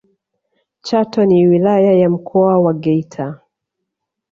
chato ni wilaya ya mkoa wa geita